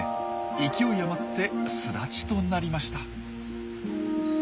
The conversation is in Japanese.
勢い余って巣立ちとなりました。